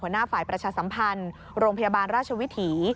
หัวหน้าฝ่ายประชาสัมพันธ์โรงพยาบาลราชวิถี